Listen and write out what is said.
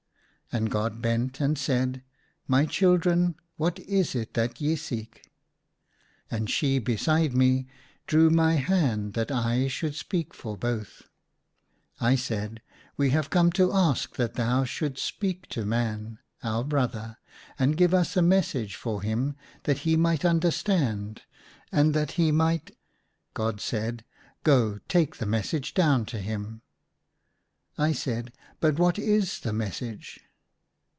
And God bent, and said, " My chil dren — what is it that ye seek?" And she beside me drew my hand that I should speak for both. I said, "We have come to ask that thou shouldst speak to Man, our brother, and give us a message for him that he might understand, and that he might ""/ THOUGHT I STOOD r 129 God said, " Go, take the message down to him !" I said, "But what is the message